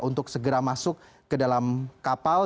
untuk segera masuk ke dalam kapal